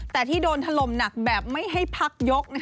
แต่ที่โดนถล่มหนักแบบไม่ให้พักยก